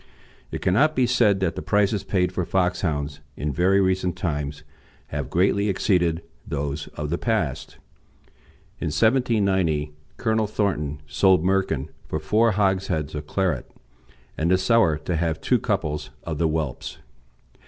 It cannot be said that the prices paid for Foxhounds in very recent times have greatly exceeded those of the past. In 1790 Colonel Thornton sold Merkin for four hogsheads of claret, and the seller to have two couples of the whelps.